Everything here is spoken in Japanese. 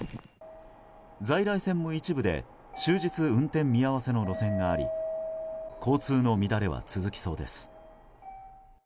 在来線も一部で終日運転見合わせの路線があり交通の乱れは続きそうです。